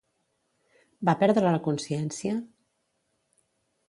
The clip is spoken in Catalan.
Va perdre la consciència?